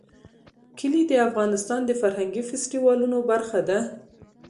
کلي د افغانستان د فرهنګي فستیوالونو برخه ده.